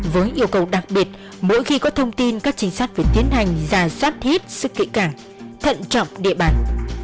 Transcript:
với yêu cầu đặc biệt mỗi khi có thông tin các trinh sát phải tiến hành ra soát hết sức kỹ cảng thận trọng địa bàn